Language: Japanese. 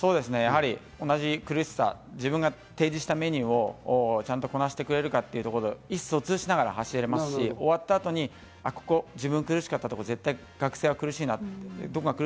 同じ苦しさ、自分が提示したメニューをちゃんとこなしてくれるかというところ、意思疎通しながら走れますし、終わった後にあそこ絶対、学生は苦しいなって。